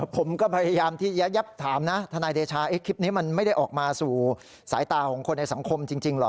ผมก็พยายามที่แยบถามนะทนายเดชาคลิปนี้มันไม่ได้ออกมาสู่สายตาของคนในสังคมจริงเหรอ